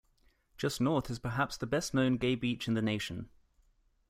Just north is perhaps the best known gay beach in the nation.